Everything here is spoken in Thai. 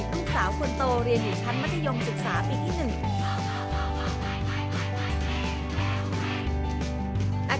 ลูกสาวคนโตเรียนอยู่ชั้นมัธยมศึกษาปีที่๑